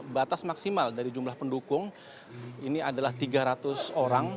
batas maksimal dari jumlah pendukung ini adalah tiga ratus orang